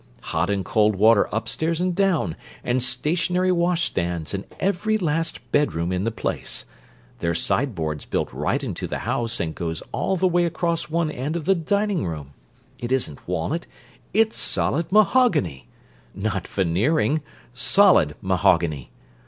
Hot and cold water upstairs and down, and stationary washstands in every last bedroom in the place! Their sideboard's built right into the house and goes all the way across one end of the dining room. It isn't walnut, it's solid mahogany! Not veneering—solid mahogany!